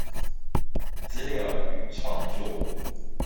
資料與創作